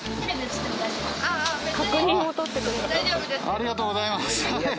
ありがとうございます。